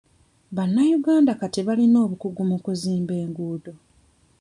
Bannayuganda kati balina obukugu mu kuzimba enguudo.